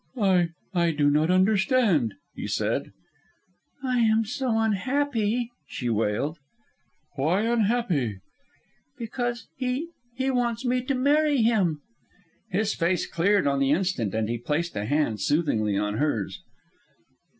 "I I do not understand," he said. "I am so unhappy," she wailed. "Why unhappy?" "Because... he... he wants me to marry him." His face cleared on the instant, and he placed a hand soothingly on hers.